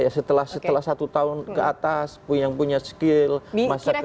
ya itulah ya setelah satu tahun ke atas yang punya skill masa kerjanya gitu kan